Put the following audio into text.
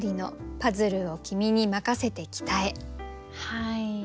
はい。